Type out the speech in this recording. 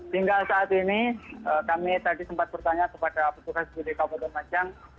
hingga saat ini kami tadi sempat bertanya kepada petugas bdk wajah